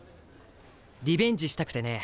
リベンジしたくてね。